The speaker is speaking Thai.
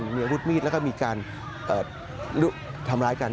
การได้หนีบุตรมีดแล้วก็มีการทำร้ายการ